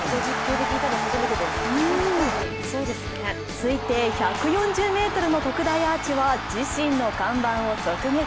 推定１４０メートルの特大アーチは自身の看板を直撃。